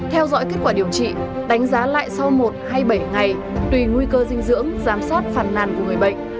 theo dõi kết quả điều trị đánh giá lại sau một hay bảy ngày tùy nguy cơ dinh dưỡng giám sát phản nàn của người bệnh